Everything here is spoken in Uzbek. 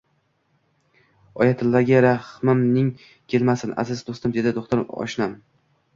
Oyimtillaga rahming kelmasin, aziz do`stim, dedi do`xtir oshnam